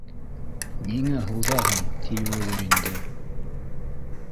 Ниңә һуҙаһың, тиеүелер инде